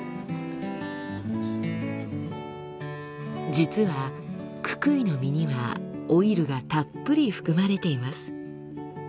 実はククイの実にはオイルがたっぷり含まれています。